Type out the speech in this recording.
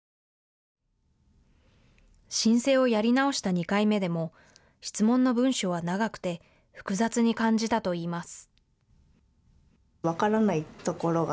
申請をやり直した２回目でも質問の文章は長くて複雑に感じたと言います。